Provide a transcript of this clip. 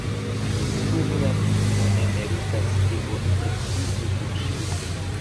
Ĉu mia filino ne meritas, ke oni edziĝu kun ŝi?